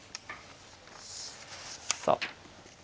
さあ。